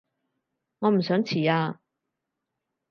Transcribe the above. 我唔想遲啊